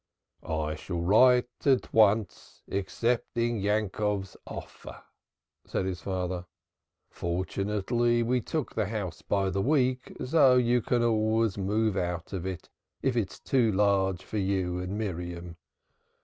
"I shall write at once, accepting Yankov's offer," said his father. "Fortunately we took the house by the week, so you can always move out if it is too large for you and Miriam.